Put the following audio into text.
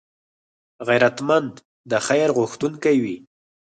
غیرتمند د خیر غوښتونکی وي